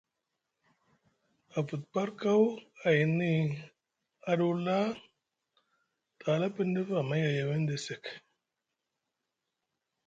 Avut par kaw ayni Adula te hala piŋ ɗif amay a Yewende sek.